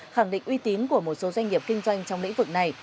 khẳng định uy tín của một số doanh nghiệp kinh doanh trong lĩnh vực này